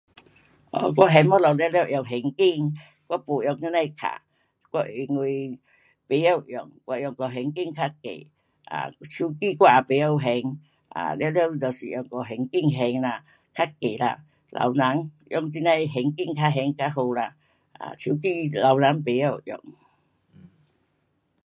哦，我还东西全部用现金，我没用那些卡。啊，我因为不会用，我用我现金较易，啊，手机我也不晓还，啊，全部都是用我现金还啦。较易啦。老人用这样的现金去还较好啦。啊，手机老人不晓用。